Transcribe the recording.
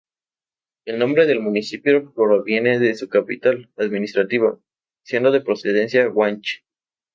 El nombre del municipio proviene de su capital administrativa, siendo de procedencia guanche.